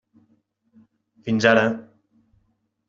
Fins ara.